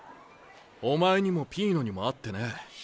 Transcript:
お前にもピーノにも会ってねえ。